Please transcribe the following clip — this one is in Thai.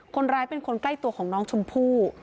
คนร้ายเป็นคนใกล้ตัวของน้องชมพู่